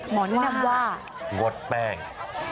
หมอแนะนำว่างดแป้ง